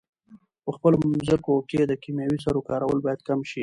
په خپلو مځکو کې د کیمیاوي سرو کارول باید کم شي.